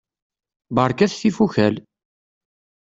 Berkat tifukal!